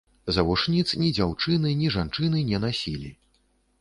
Завушніц ні дзяўчыны, ні жанчыны не насілі.